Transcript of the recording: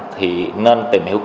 thì nên tìm hiệu kỳ